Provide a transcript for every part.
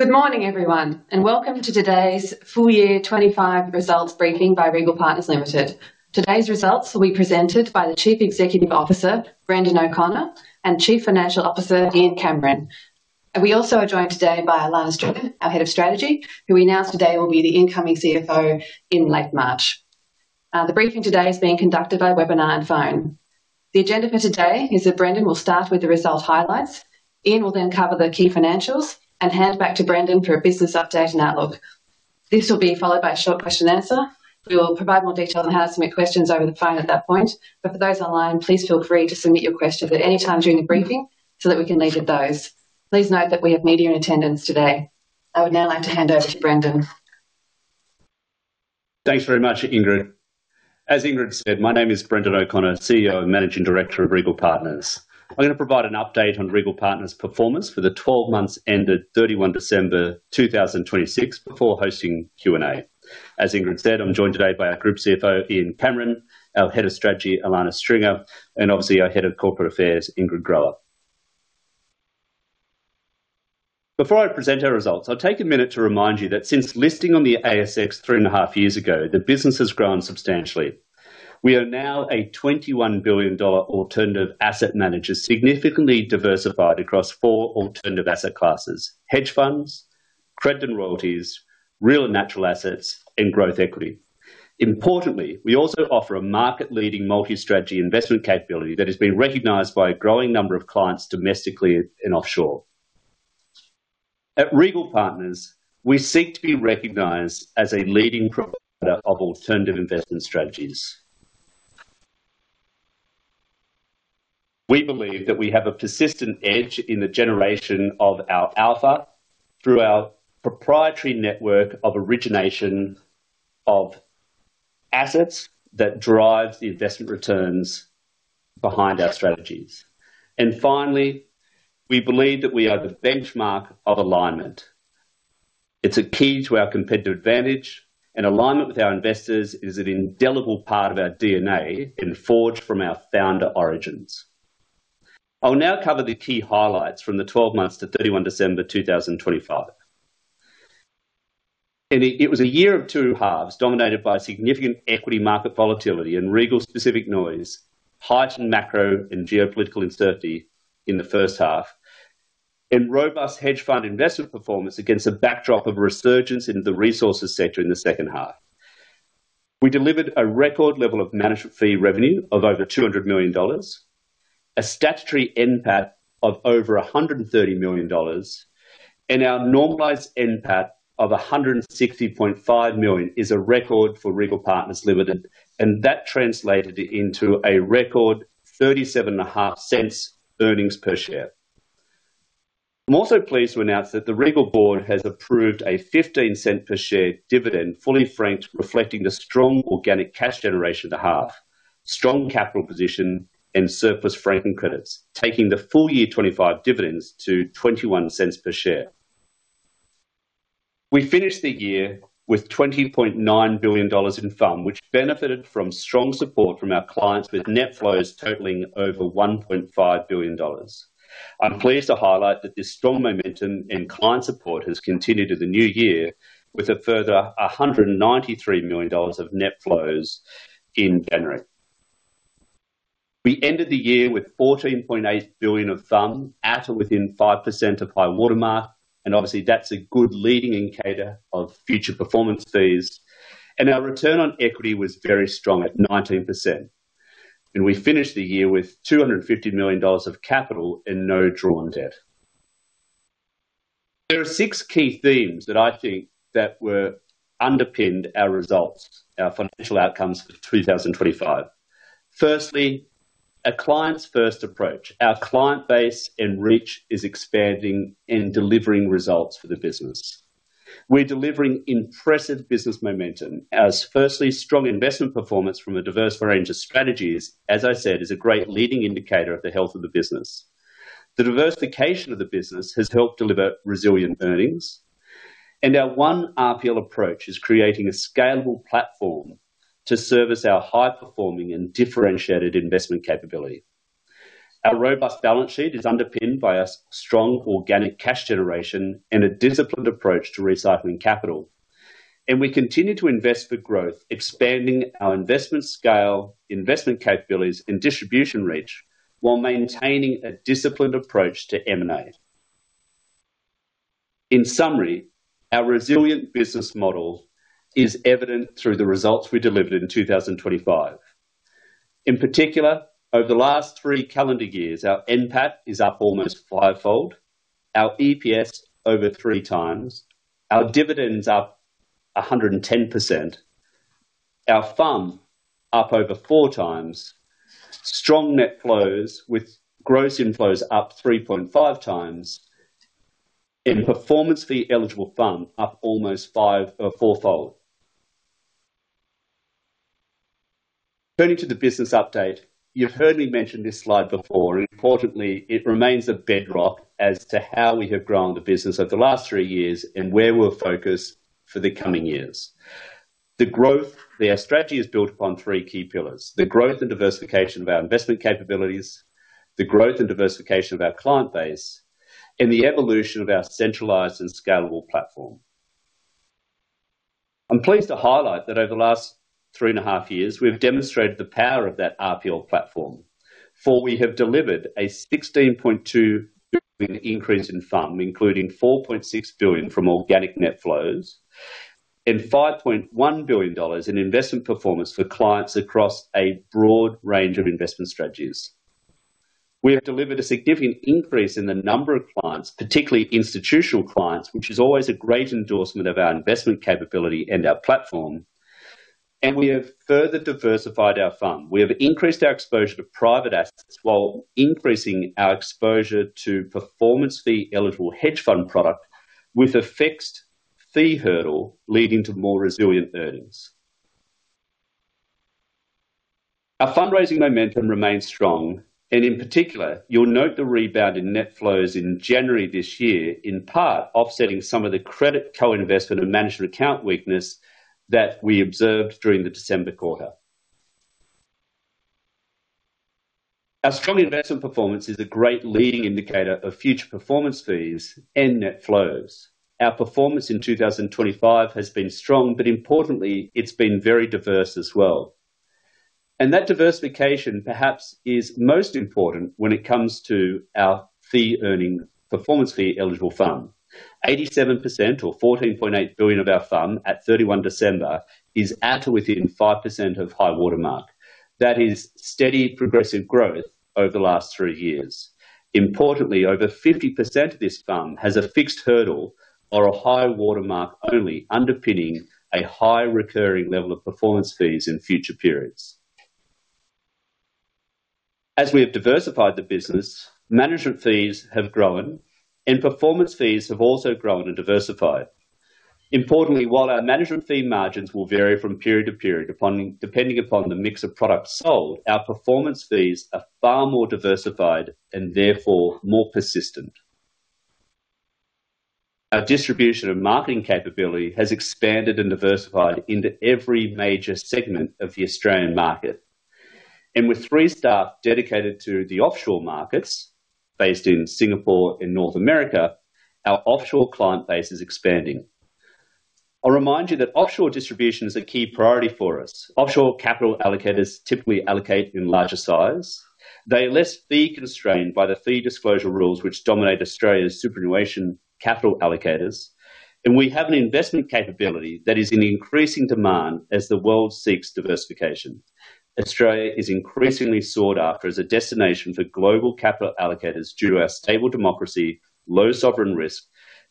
Good morning, everyone, and welcome to today's full year 25 results briefing by Regal Partners Limited. Today's results will be presented by the Chief Executive Officer, Brendan O'Connor, and Chief Financial Officer, Ian Cameron. We also are joined today by Alana Stringer, our Head of Strategy, who we announced today will be the incoming CFO in late March. The briefing today is being conducted by webinar and phone. The agenda for today is that Brendan will start with the result highlights. Ian will then cover the key financials and hand back to Brendan for a business update and outlook. This will be followed by a short question and answer. We will provide more details on how to submit questions over the phone at that point. For those online, please feel free to submit your questions at any time during the briefing so that we can leave with those. Please note that we have media in attendance today. I would now like to hand over to Brendan. Thanks very much, Ingrid. As Ingrid said, my name is Brendan O'Connor, CEO and Managing Director of Regal Partners. I'm going to provide an update on Regal Partners' performance for the 12 months ended December 31, 2026, before hosting Q&A. As Ingrid said, I'm joined today by our Group CFO, Ian Cameron, our Head of Strategy, Alana Stringer, and obviously our Head of Corporate Affairs, Ingrid Groer. Before I present our results, I'll take a minute to remind you that since listing on the ASX 3.5 years ago, the business has grown substantially. We are now an 21 billion dollar alternative asset manager, significantly diversified across 4 alternative asset classes: hedge funds, credit and royalties, real and natural assets, and growth equity. Importantly, we also offer a market-leading multi-strategy investment capability that has been recognized by a growing number of clients, domestically and offshore. At Regal Partners, we seek to be recognized as a leading provider of alternative investment strategies. We believe that we have a persistent edge in the generation of our alpha through our proprietary network of origination of assets that drives the investment returns behind our strategies. Finally, we believe that we are the benchmark of alignment. It's a key to our competitive advantage, and alignment with our investors is an indelible part of our DNA and forged from our founder origins. I'll now cover the key highlights from the 12 months to 31 December 2025. It was a year of two halves, dominated by significant equity, market volatility and Regal-specific noise, heightened macro and geopolitical uncertainty in the first half, and robust hedge fund investment performance against a backdrop of resurgence in the resources sector in the second half. We delivered a record level of management fee revenue of over 200 million dollars, a statutory NPAT of over 130 million dollars, and our normalized NPAT of 160.5 million is a record for Regal Partners Limited. That translated into a record 0.375 earnings per share. I'm also pleased to announce that the Regal board has approved a 0.15 per share dividend, fully franked, reflecting the strong organic cash generation of the half, strong capital position and surplus franking credits, taking the full year 25 dividends to 0.21 per share. We finished the year with 20.9 billion dollars in FUM, which benefited from strong support from our clients, with net flows totaling over 1.5 billion dollars. I'm pleased to highlight that this strong momentum and client support has continued in the new year with a further 193 million dollars of net flows in January. We ended the year with 14.8 billion of FUM at or within 5% of high water mark, and obviously that's a good leading indicator of future performance fees, and our return on equity was very strong at 19%. We finished the year with 250 million dollars of capital and no drawn debt. There are six key themes that I think underpinned our results, our financial outcomes for 2025. Firstly, a client's first approach. Our client base and reach is expanding and delivering results for the business. We're delivering impressive business momentum as firstly, strong investment performance from a diverse range of strategies, as I said, is a great leading indicator of the health of the business. The diversification of the business has helped deliver resilient earnings, and our One RPL approach is creating a scalable platform to service our high-performing and differentiated investment capability. Our robust balance sheet is underpinned by a strong organic cash generation and a disciplined approach to recycling capital. We continue to invest for growth, expanding our investment scale, investment capabilities, and distribution reach, while maintaining a disciplined approach to M&A. In summary, our resilient business model is evident through the results we delivered in 2025. In particular, over the last 3 calendar years, our NPAT is up almost 5-fold, our EPS over 3 times, our dividend's up 110%, our FUM up over 4 times, strong net flows with gross inflows up 3.5 times, and performance fee eligible FUM up almost 4-fold. Turning to the business update. You've heard me mention this slide before, and importantly, it remains a bedrock as to how we have grown the business over the last three years and where we're focused for the coming years. The growth, the strategy is built upon three key pillars: the growth and diversification of our investment capabilities, the growth and diversification of our client base, and the evolution of our centralized and scalable platform. I'm pleased to highlight that over the last 3.5 years, we've demonstrated the power of that RPL platform, for we have delivered a 16.2 billion increase in FUM, including 4.6 billion from organic net flows and 5.1 billion dollars in investment performance for clients across a broad range of investment strategies. We have delivered a significant increase in the number of clients, particularly institutional clients, which is always a great endorsement of our investment capability and our platform, and we have further diversified our FUM. We have increased our exposure to private assets while increasing our exposure to performance fee eligible hedge fund product with a fixed fee hurdle leading to more resilient earnings. Our fundraising momentum remains strong, and in particular, you'll note the rebound in net flows in January this year, in part offsetting some of the credit co-investment and management account weakness that we observed during the December quarter. Our strong investment performance is a great leading indicator of future performance fees and net flows. Our performance in 2025 has been strong, but importantly, it's been very diverse as well. That diversification, perhaps, is most important when it comes to our fee-earning performance fee eligible FUM. 87% or 14.8 billion of our FUM at 31 December, is at or within 5% of high-water mark. That is steady, progressive growth over the last 3 years. Importantly, over 50% of this FUM has a fixed hurdle or a high-water mark, only underpinning a high recurring level of performance fees in future periods. As we have diversified the business, management fees have grown and performance fees have also grown and diversified. Importantly, while our management fee margins will vary from period to period, depending upon the mix of products sold, our performance fees are far more diversified and therefore more persistent. Our distribution and marketing capability has expanded and diversified into every major segment of the Australian market. With three staff dedicated to the offshore markets based in Singapore and North America, our offshore client base is expanding. I'll remind you that offshore distribution is a key priority for us. Offshore capital allocators typically allocate in larger size. They are less fee constrained by the fee disclosure rules, which dominate Australia's superannuation capital allocators, and we have an investment capability that is in increasing demand as the world seeks diversification. Australia is increasingly sought after as a destination for global capital allocators due to our stable democracy, low sovereign risk,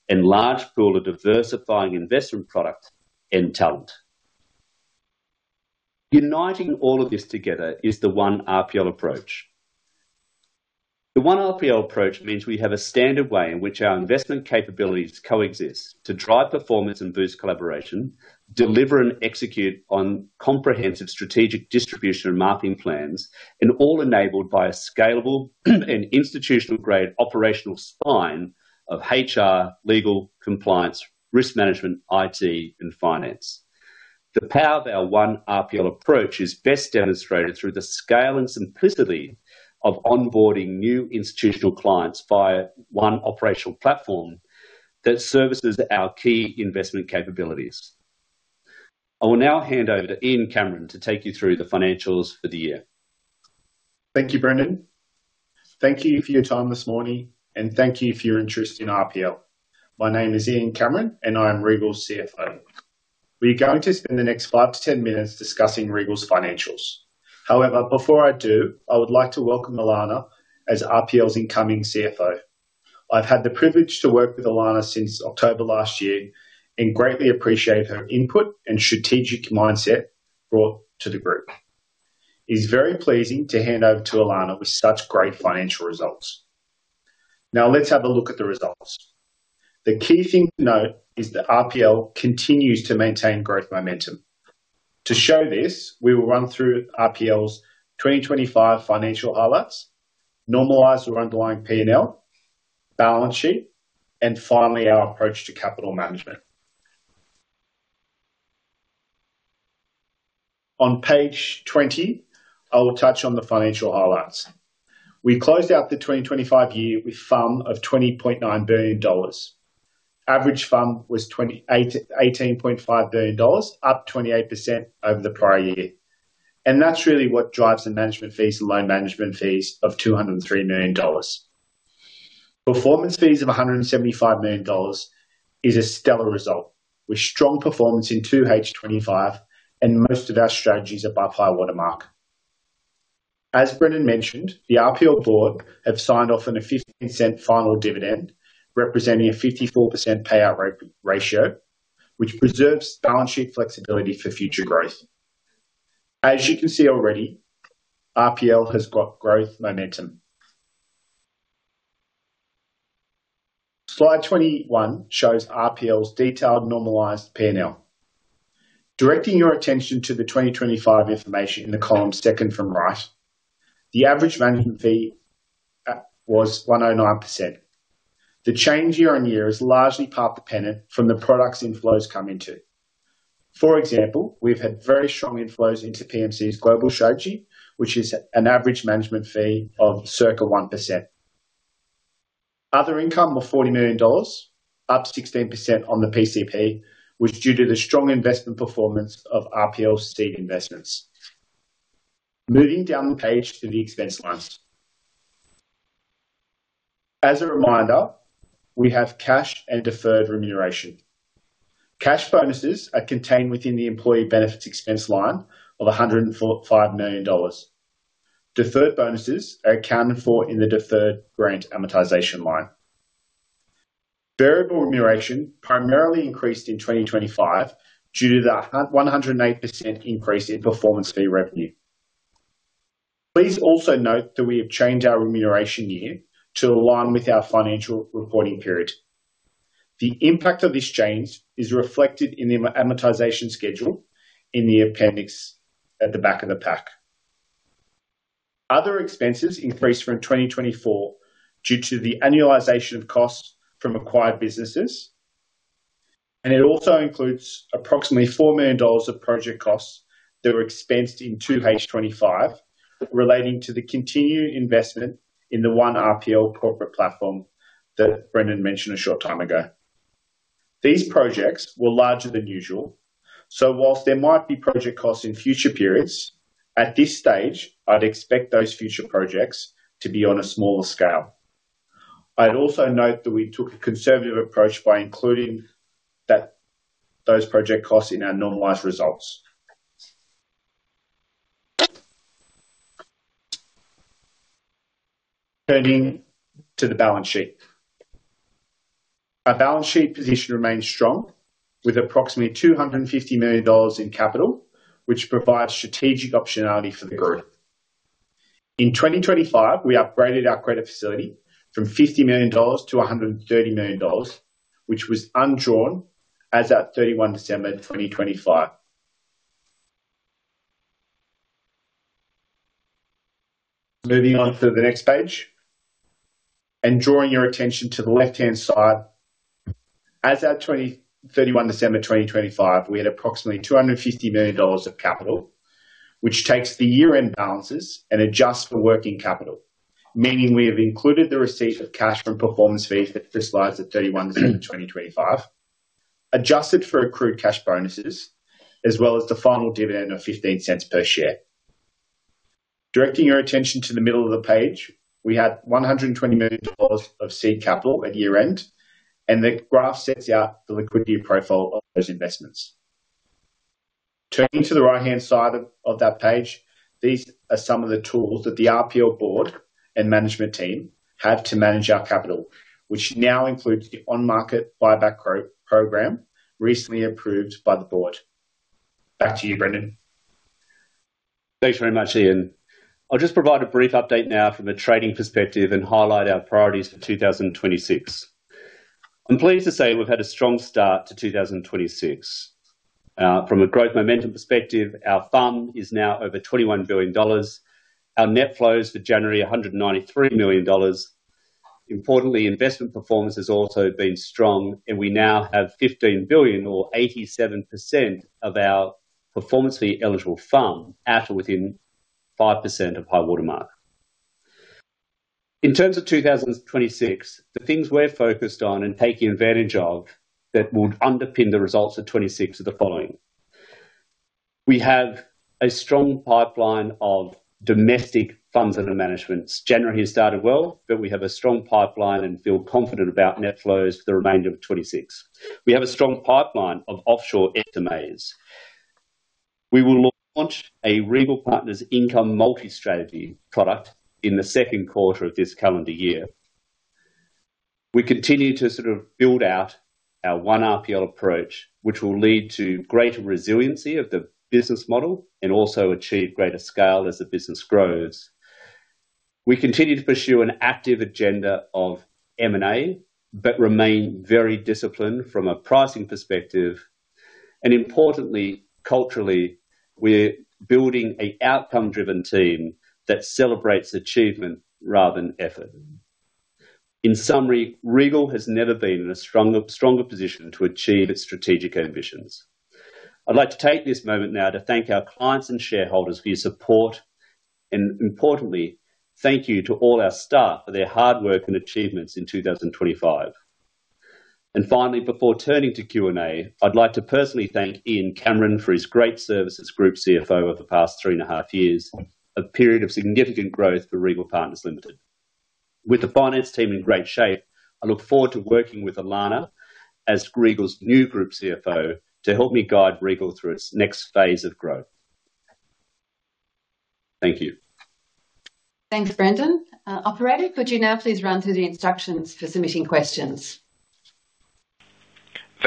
and large pool of diversifying investment products and talent. Uniting all of this together is the One RPL approach. The One RPL approach means we have a standard way in which our investment capabilities coexist to drive performance and boost collaboration, deliver and execute on comprehensive strategic distribution and marketing plans, and all enabled by a scalable and institutional-grade operational spine of HR, legal, compliance, risk management, IT, and finance. The power of our One RPL approach is best demonstrated through the scale and simplicity of onboarding new institutional clients via one operational platform that services our key investment capabilities. I will now hand over to Ian Cameron to take you through the financials for the year. Thank you, Brendan. Thank you for your time this morning, and thank you for your interest in RPL. My name is Ian Cameron, and I am Regal's CFO. We are going to spend the next 5 to 10 minutes discussing Regal's financials. However, before I do, I would like to welcome Alana as RPL's incoming CFO. I've had the privilege to work with Alana since October last year and greatly appreciate her input and strategic mindset brought to the group. It's very pleasing to hand over to Alana with such great financial results. Now, let's have a look at the results. The key thing to note is that RPL continues to maintain growth momentum. To show this, we will run through RPL's 2025 financial highlights, normalized or underlying P&L, balance sheet, and finally, our approach to capital management. On page 20, I will touch on the financial highlights. We closed out the 2025 year with FUM of 20.9 billion dollars. Average FUM was 18.5 billion dollars, up 28% over the prior year. That's really what drives the management fees and loan management fees of 203 million dollars. Performance fees of 175 million dollars is a stellar result, with strong performance in 2H 2025 and most of our strategies are above high-water mark. As Brendan mentioned, the RPL board have signed off on a 0.15 final dividend, representing a 54% payout ra-ratio, which preserves balance sheet flexibility for future growth. As you can see already, RPL has got growth momentum. Slide 21 shows RPL's detailed normalized P&L. Directing your attention to the 2025 information in the column second from right, the average management fee was 1.09%. The change year-on-year is largely part dependent from the products inflows come into. For example, we've had very strong inflows into PMC's Global Strategy, which is an average management fee of circa 1%. Other income was $40 million, up 16% on the PCP, which is due to the strong investment performance of RPL's seed investments. Moving down the page to the expense lines. As a reminder, we have cash and deferred remuneration. Cash bonuses are contained within the employee benefits expense line of $104-5 million. Deferred bonuses are accounted for in the deferred grant amortization line. Variable remuneration primarily increased in 2025 due to the 108% increase in performance fee revenue. Please also note that we have changed our remuneration year to align with our financial reporting period. The impact of this change is reflected in the amortization schedule in the appendix at the back of the pack. Other expenses increased from 2024 due to the annualization of costs from acquired businesses. It also includes approximately 4 million dollars of project costs that were expensed in 2H 2025, relating to the continued investment in the One RPL corporate platform that Brendan mentioned a short time ago. These projects were larger than usual, whilst there might be project costs in future periods, at this stage, I'd expect those future projects to be on a smaller scale. I'd also note that we took a conservative approach by including those project costs in our normalized results. Turning to the balance sheet. Our balance sheet position remains strong, with approximately 250 million dollars in capital, which provides strategic optionality for the group. In 2025, we upgraded our credit facility from 50 million dollars to 130 million dollars, which was undrawn as at 31 December 2025. Moving on to the next page, drawing your attention to the left-hand side. As at 31 December 2025, we had approximately 250 million dollars of capital, which takes the year-end balances and adjusts for working capital, meaning we have included the receipt of cash from performance fees that crystallized at 31 December 2025, adjusted for accrued cash bonuses, as well as the final dividend of 0.15 per share. Directing your attention to the middle of the page, we had 120 million dollars of seed capital at year-end, the graph sets out the liquidity profile of those investments. Turning to the right-hand side of that page, these are some of the tools that the RPL board and management team have to manage our capital, which now includes the on-market buyback program, recently approved by the board. Back to you, Brendan. Thanks very much, Ian. I'll just provide a brief update now from a trading perspective and highlight our priorities for 2026. I'm pleased to say we've had a strong start to 2026. From a growth momentum perspective, our FUM is now over 21 billion dollars. Our net flows for January, 193 million dollars. Importantly, investment performance has also been strong, and we now have 15 billion, or 87% of our performance fee eligible FUM, at or within 5% of high-water mark. In terms of 2026, the things we're focused on and taking advantage of that will underpin the results of 2026 are the following: We have a strong pipeline of domestic funds under management. January has started well, but we have a strong pipeline and feel confident about net flows for the remainder of 2026. We have a strong pipeline of offshore FMAs. We will launch a Regal Partners Income Multi-Strategy product in the second quarter of this calendar year. We continue to sort of build out our One RPL approach, which will lead to greater resiliency of the business model and also achieve greater scale as the business grows. We continue to pursue an active agenda of M&A, but remain very disciplined from a pricing perspective, and importantly, culturally, we're building a outcome-driven team that celebrates achievement rather than effort. In summary, Regal has never been in a stronger, stronger position to achieve its strategic ambitions. I'd like to take this moment now to thank our clients and shareholders for your support, and importantly, thank you to all our staff for their hard work and achievements in 2025. Finally, before turning to Q&A, I'd like to personally thank Ian Cameron for his great service as Group CFO over the past three and a half years, a period of significant growth for Regal Partners Limited. With the finance team in great shape, I look forward to working with Ilana as Regal's new Group CFO to help me guide Regal through its next phase of growth. Thank you. Thanks, Brendan. Operator, could you now please run through the instructions for submitting questions?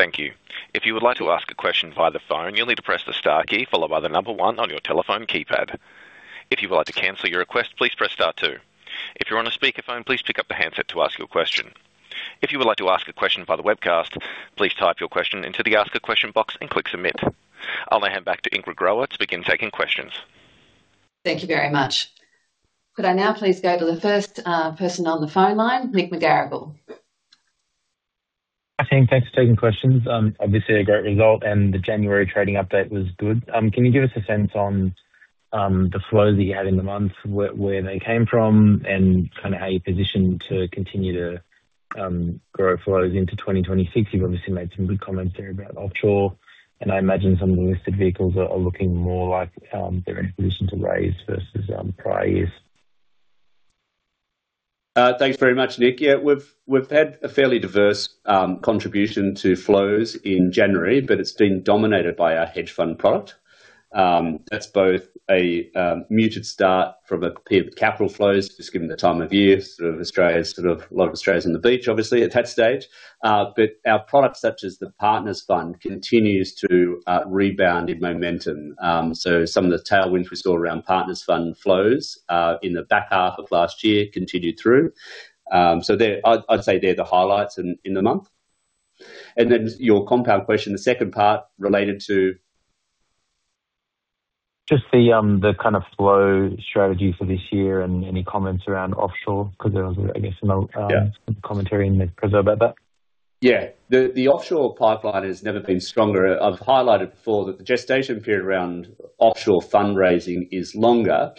Thank you. If you would like to ask a question via the phone, you'll need to press the star key followed by the number 1 on your telephone keypad. If you would like to cancel your request, please press star 2. If you're on a speakerphone, please pick up the handset to ask your question. If you would like to ask a question via the webcast, please type your question into the Ask a Question box and click Submit. I'll now hand back to Ingrid Groer to begin taking questions. Thank you very much. Could I now please go to the first person on the phone line, Nicholas McGarrigle? Hi, team. Thanks for taking questions. Obviously, a great result, and the January trading update was good. Can you give us a sense on, the flows that you had in the month, where, where they came from, and kind of how you're positioned to continue to, grow flows into 2026? You've obviously made some good comments there about offshore, and I imagine some of the listed vehicles are, are looking more like, they're in position to raise versus, prior years. Thanks very much, Nick. Yeah, we've, we've had a fairly diverse contribution to flows in January. It's been dominated by our hedge fund product. That's both a muted start from a period of capital flows, just given the time of year, sort of Australia's, sort of, a lot of Australians on the beach, obviously, at that stage. Our products, such as the Partners Fund, continues to rebound in momentum. Some of the tailwinds we saw around Partners Fund flows in the back half of last year continued through. They're I'd, I'd say they're the highlights in, in the month. Your compound question, the second part related to? Just the, the kind of flow strategy for this year and any comments around offshore, because there was, I guess, some... Yeah... commentary in the press about that. Yeah. The, the offshore pipeline has never been stronger. I've highlighted before that the gestation period around offshore fundraising is longer.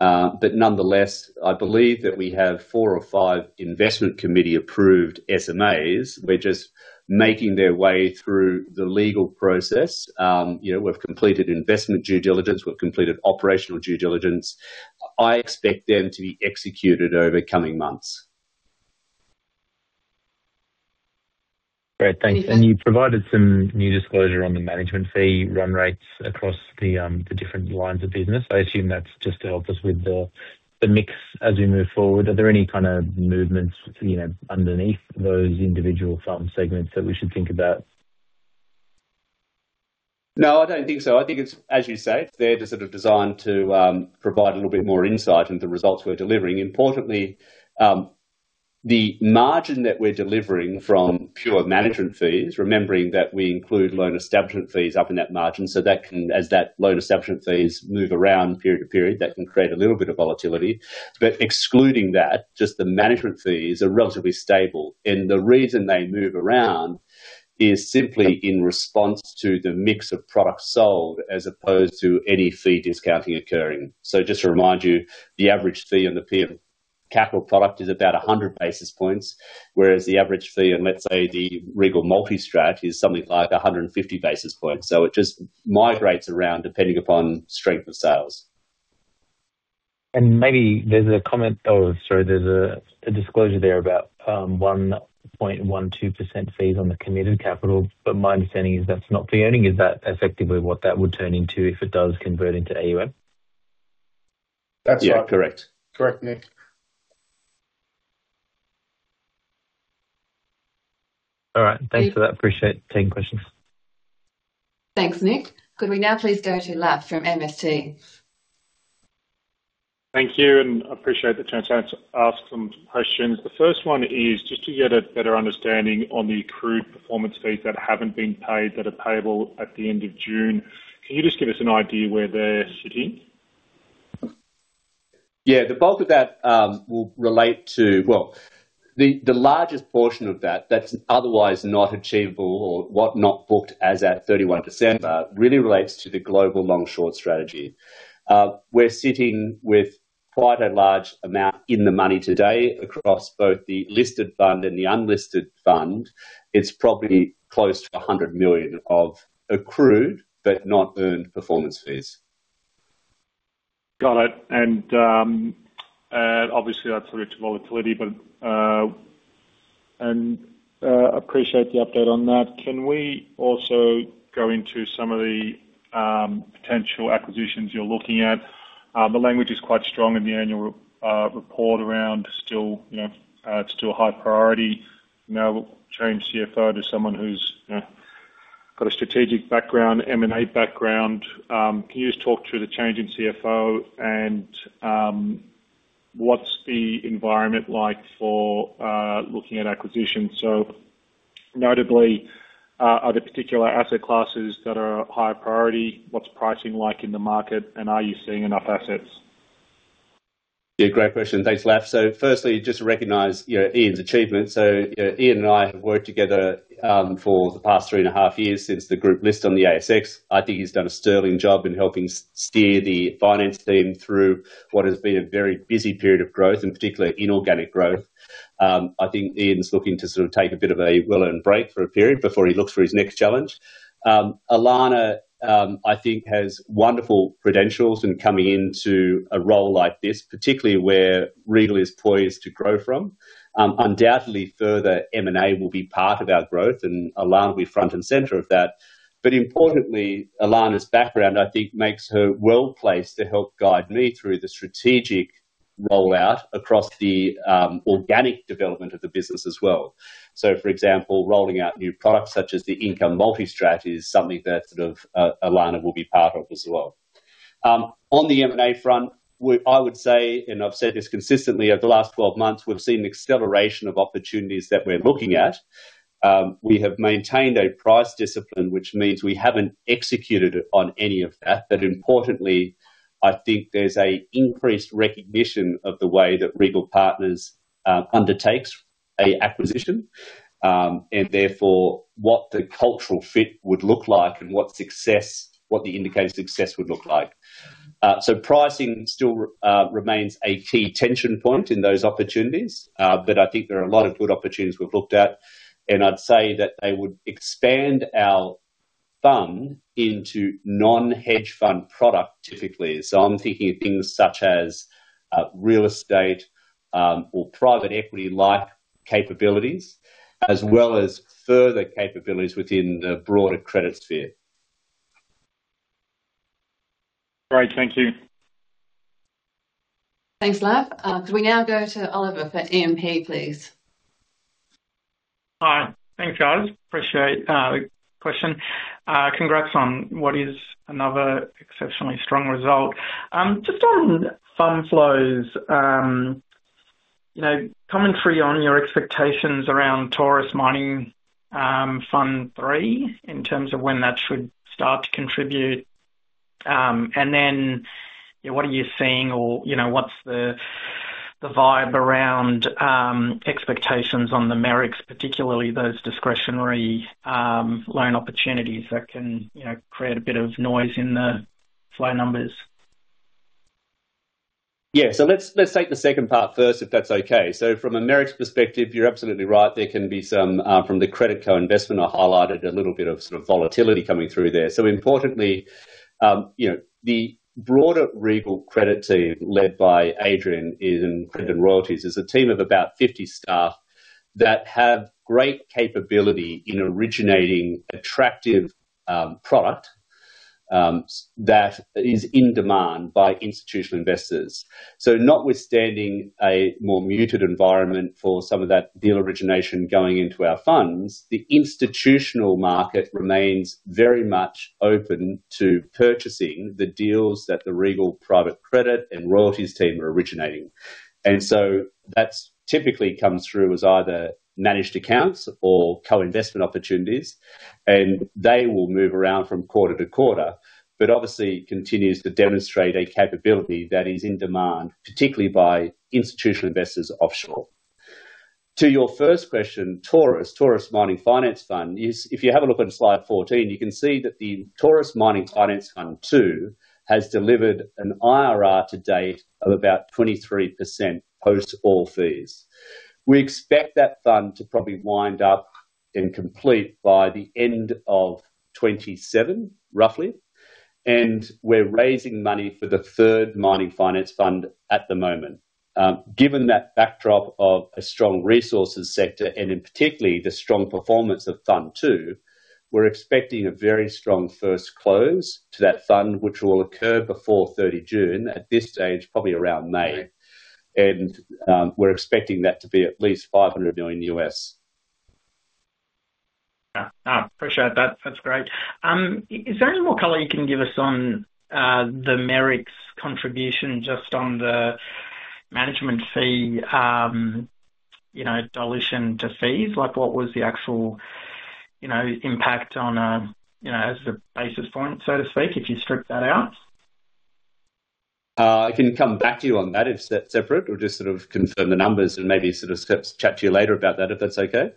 Nonetheless, I believe that we have four or five investment committee approved SMAs. They're just making their way through the legal process. You know, we've completed investment due diligence. We've completed operational due diligence. I expect them to be executed over coming months. Great, thanks. Thanks, Nick. You provided some new disclosure on the management fee run rates across the different lines of business. I assume that's just to help us with the mix as we move forward. Are there any kind of movements, you know, underneath those individual fund segments that we should think about? No, I don't think so. I think it's, as you say, they're just sort of designed to provide a little bit more insight into the results we're delivering. Importantly, the margin that we're delivering from pure management fees, remembering that we include loan establishment fees up in that margin, as that loan establishment fees move around period to period, that can create a little bit of volatility. Excluding that, just the management fees are relatively stable, and the reason they move around is simply in response to the mix of products sold, as opposed to any fee discounting occurring. Just to remind you, the average fee on the PM Capital product is about 100 basis points, whereas the average fee on, let's say, the Regal Multi-Strat is something like 150 basis points. It just migrates around depending upon strength of sales. Maybe there's a comment or, sorry, there's a, a disclosure there about 1.12% fees on the committed capital, but my understanding is that's not fee earning. Is that effectively what that would turn into if it does convert into AUM? That's right. Yeah, correct. Correct, Nick. All right. Nick- Thanks for that. Appreciate taking questions. Thanks, Nick. Could we now please go to Laf from MST? Thank you. Appreciate the chance to ask some questions. The first one is just to get a better understanding on the accrued performance fees that haven't been paid, that are payable at the end of June. Can you just give us an idea where they're sitting? Yeah. The bulk of that will relate to... Well, the, the largest portion of that, that's otherwise not achievable or what not booked as at 31 December, really relates to the global long-short strategy. We're sitting with quite a large amount in the money today across both the listed fund and the unlisted fund. It's probably close to $100 million of accrued but not earned performance fees. Got it. Obviously, that's subject to volatility, but appreciate the update on that. Can we also go into some of the potential acquisitions you're looking at? The language is quite strong in the annual report around still, you know, it's still a high priority. Now, we've changed CFO to someone who's, you know, got a strategic background, M&A background. Can you just talk through the change in CFO and what's the environment like for looking at acquisitions? Notably, are there particular asset classes that are a higher priority? What's pricing like in the market, and are you seeing enough assets? Yeah, great question. Thanks, Laf. Firstly, just to recognize, you know, Ian's achievement. You know, Ian and I have worked together for the past 3.5 years, since the group listed on the ASX. I think he's done a sterling job in helping steer the finance team through what has been a very busy period of growth, and particularly inorganic growth. I think Ian's looking to sort of take a bit of a well-earned break for a period before he looks for his next challenge. Alana, I think, has wonderful credentials in coming into a role like this, particularly where Regal is poised to grow from. Undoubtedly, further M&A will be part of our growth, and Alana will be front and center of that. Importantly, Ilana's background, I think, makes her well-placed to help guide me through the strategic rollout across the organic development of the business as well. For example, rolling out new products, such as the Income Multi Strat, is something that, sort of, Ilana will be part of as well. On the M&A front, I would say, and I've said this consistently over the last 12 months, we've seen an acceleration of opportunities that we're looking at. But importantly, I think there's a increased recognition of the way that Regal Partners undertakes a acquisition, and therefore, what the cultural fit would look like and what success, what the indicated success would look like. Pricing still remains a key tension point in those opportunities. I think there are a lot of good opportunities we've looked at. I'd say that they would expand our fund into non-hedge fund product typically. I'm thinking of things such as, real estate, or private equity-like capabilities, as well as further capabilities within the broader credit sphere. Great. Thank you. Thanks, Laf. Can we now go to Oliver for EMP, please? Hi. Thanks, guys. Appreciate the question. Congrats on what is another exceptionally strong result. Just on fund flows, you know, commentary on your expectations around Taurus Mining Fund Three, in terms of when that should start to contribute. Then, you know, what are you seeing or, you know, what's the, the vibe around expectations on the Merricks Capital, particularly those discretionary loan opportunities that can, you know, create a bit of noise in the flow numbers? Yeah. Let's, let's take the second part first, if that's okay. From a Merricks perspective, you're absolutely right. There can be some from the credit co-investment, I highlighted a little bit of sort of volatility coming through there. Importantly, you know, the broader Regal credit team, led by Adrian, in Credit and Royalties, is a team of about 50 staff that have great capability in originating attractive product that is in demand by institutional investors. Notwithstanding a more muted environment for some of that deal origination going into our funds, the institutional market remains very much open to purchasing the deals that the Regal Private Credit and Royalties team are originating. So that's typically comes through as either managed accounts or co-investment opportunities, and they will move around from quarter to quarter, but obviously continues to demonstrate a capability that is in demand, particularly by institutional investors offshore. To your first question, Taurus, Taurus Mining Finance Fund. If you have a look on slide 14, you can see that the Taurus Mining Finance Fund II has delivered an IRR to date of about 23%, post all fees. We expect that fund to probably wind up and complete by the end of 2027, roughly, and we're raising money for the third mining finance fund at the moment. Given that backdrop of a strong resources sector, and in particularly, the strong performance of Fund II, we're expecting a very strong first close to that fund, which will occur before 30 June, at this stage, probably around May. We're expecting that to be at least $500 million. Yeah. I appreciate that. That's great. Is there any more color you can give us on the Merricks contribution, just on the management fee, you know, dilution to fees? Like, what was the actual, you know, impact on, you know, as a basis point, so to speak, if you strip that out? I can come back to you on that if separate, or just sort of confirm the numbers and maybe sort of chat to you later about that, if that's okay.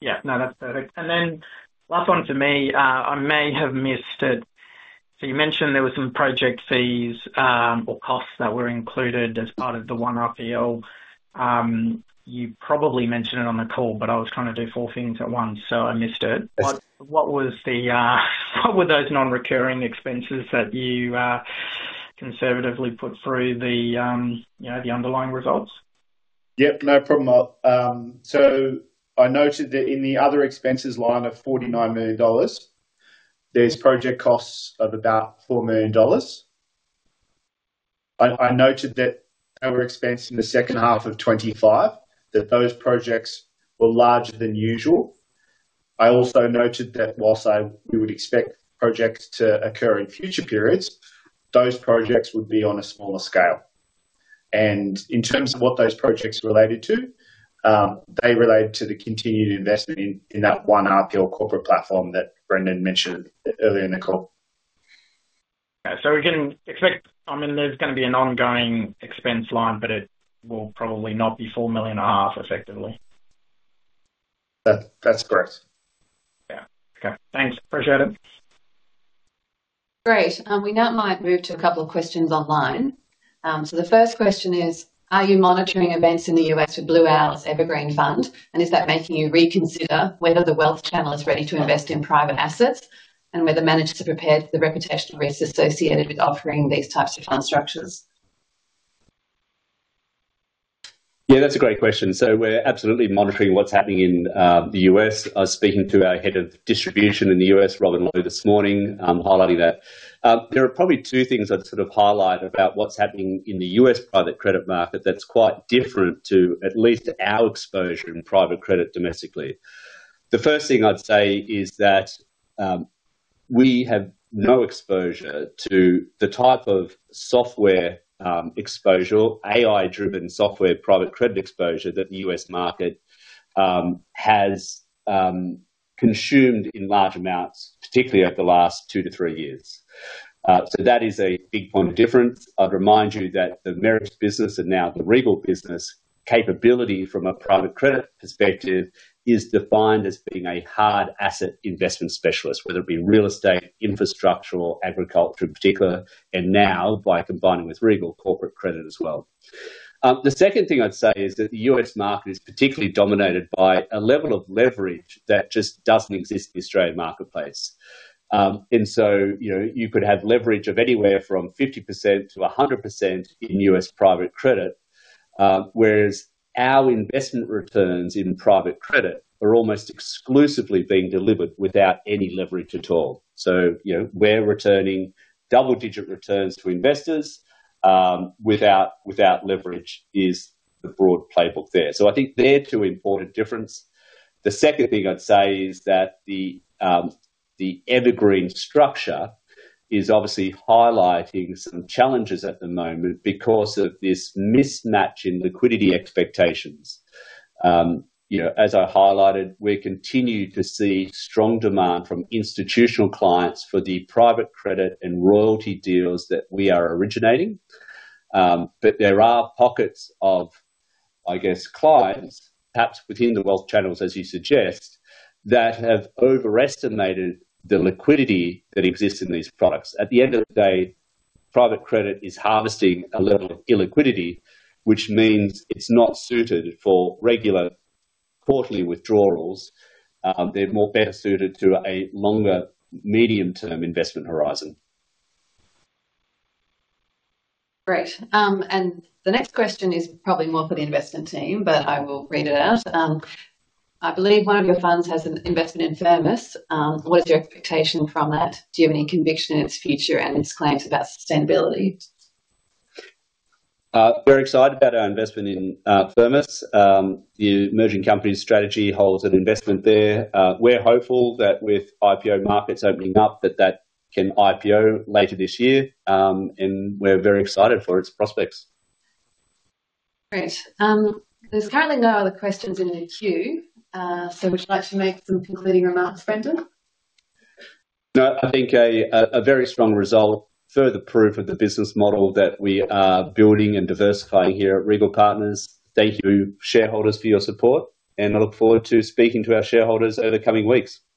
Yeah. No, that's perfect. Then last one to me, I may have missed it. You mentioned there were some project fees, or costs that were included as part of the One RPL. You probably mentioned it on the call, but I was trying to do four things at once, so I missed it. Yes. What, what was the, what were those non-recurring expenses that you, conservatively put through the, you know, the underlying results? Yep, no problem. I noted that in the other expenses line of $49 million, there's project costs of about $4 million. I, I noted that they were expensed in the second half of 2025, that those projects were larger than usual. I also noted that whilst I-- we would expect projects to occur in future periods, those projects would be on a smaller scale. And in terms of what those projects related to, they related to the continued investment in, in that One RPL corporate platform that Brendan mentioned earlier in the call. We can expect... I mean, there's gonna be an ongoing expense line, but it will probably not be 4.5 million, effectively? That, that's correct. Yeah. Okay. Thanks. Appreciate it. Great. We now might move to a couple of questions online. The first question is: Are you monitoring events in the US with Blue Owl's Evergreen Fund? Is that making you reconsider whether the wealth channel is ready to invest in private assets, and whether managers are prepared for the reputational risks associated with offering these types of fund structures? Yeah, that's a great question. We're absolutely monitoring what's happening in the U.S. I was speaking to our head of distribution in the U.S., Robin Lowe, this morning, highlighting that. There are probably 2 things I'd sort of highlight about what's happening in the U.S. private credit market that's quite different to at least our exposure in private credit domestically. The first thing I'd say is that we have no exposure to the type of software, exposure, AI-driven software, private credit exposure that the U.S. market has consumed in large amounts, particularly over the last 2-3 years. That is a big point of difference. I'd remind you that the Merricks Capital business and now the Regal Business capability from a private credit perspective, is defined as being a hard asset investment specialist, whether it be real estate, infrastructure, or agriculture in particular, and now by combining with Regal Corporate Credit as well. The second thing I'd say is that the U.S. market is particularly dominated by a level of leverage that just doesn't exist in the Australian marketplace. You know, you could have leverage of anywhere from 50% to 100% in U.S. private credit, whereas our investment returns in private credit are almost exclusively being delivered without any leverage at all. You know, we're returning double-digit returns to investors, without, without leverage is the broad playbook there. I think they're two important difference. The second thing I'd say is that the, the evergreen structure is obviously highlighting some challenges at the moment because of this mismatch in liquidity expectations. You know, as I highlighted, we continue to see strong demand from institutional clients for the private credit and royalty deals that we are originating. There are pockets of, I guess, clients, perhaps within the wealth channels, as you suggest, that have overestimated the liquidity that exists in these products. At the end of the day, private credit is harvesting a level of illiquidity, which means it's not suited for regular quarterly withdrawals. They're more better suited to a longer medium-term investment horizon. Great. The next question is probably more for the investment team, but I will read it out. I believe one of your funds has an investment in Firmus. What is your expectation from that? Do you have any conviction in its future and its claims about sustainability? We're excited about our investment in Firmus. The Emerging Companies Strategy holds an investment there. We're hopeful that with IPO markets opening up, that that can IPO later this year, and we're very excited for its prospects. Great. There's currently no other questions in the queue. Would you like to make some concluding remarks, Brendan? No, I think a very strong result, further proof of the business model that we are building and diversifying here at Regal Partners. Thank you, shareholders, for your support. I look forward to speaking to our shareholders over the coming weeks. Thank you.